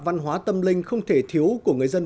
văn hóa tâm linh không thể thiếu của người dân